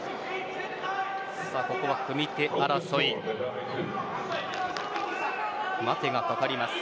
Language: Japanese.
ここは組み手争いです。